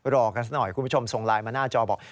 รอกันสักหน่อยคุณผู้ชมส่งไลน์มาหน้าจอบอก